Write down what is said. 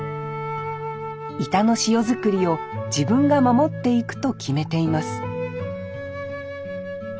井田の塩作りを自分が守っていくと決めています